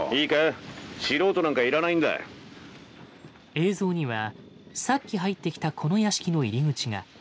映像にはさっき入ってきたこの屋敷の入り口が。